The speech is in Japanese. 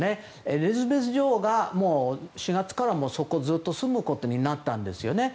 エリザベス女王が４月から住むことになったんですね。